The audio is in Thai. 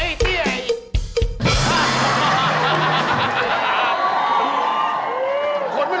ไยจุ่มไยโนอัยโฬนไยเจ้น